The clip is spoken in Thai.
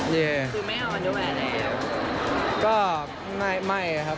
คือไม่เอาแนวแบบอะไรหรือครับ